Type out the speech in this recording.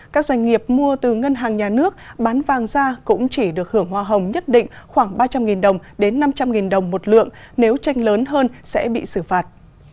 các doanh nghiệp mua từ ngân hàng nhà nước bán vàng ra cũng chỉ được hưởng hoa hồng nhất định khoảng ba trăm linh đồng đến năm trăm linh đồng một lượng nếu tranh lớn hơn sẽ bị xử phạt